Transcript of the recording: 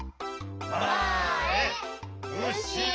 まえうしろ。